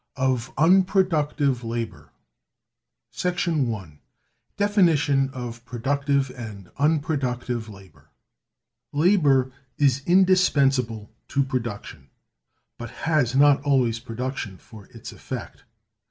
Of Unproductive Labor. § 1. Definition of Productive and Unproductive Labor. Labor is indispensable to production, but has not always production for its effect.